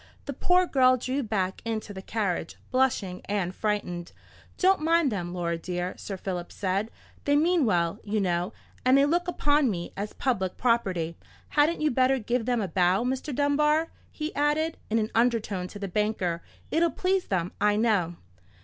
The poor girl drew back into the carriage, blushing and frightened. "Don't mind them, Laura dear," Sir Philip said; "they mean well, you know, and they look upon me as public property. Hadn't you better give them a bow, Mr. Dunbar?" he added, in an undertone to the banker. "It'll please them, I know."